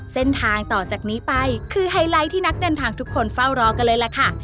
เส้นทางต่อจากนี้ไปคือไฮไลท์ที่นักเดินทางทุกคนเฝ้ารอกันเลยล่ะค่ะ